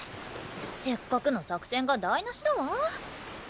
せっかくの作戦が台無しだわ。